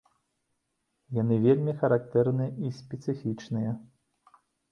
Яны вельмі характэрныя і спецыфічныя.